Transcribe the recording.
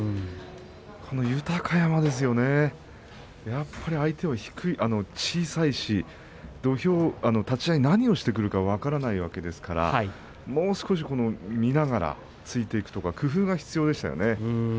この豊山ですね、やっぱり相手小さいし立ち合い何をしてくるか分からないわけですからもう少し見ながら突いていくとか工夫が必要でしたね。